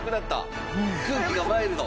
空気がマイルド？